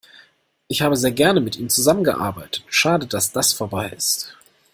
Ich habe sehr gerne mit ihm zusammen gearbeitet. Schade, dass das vorbei ist.